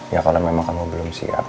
ya kalau memang kamu belum siap